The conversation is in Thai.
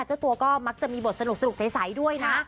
เจ้าตัวก็มักจะมีบทสนุกใสด้วยนะ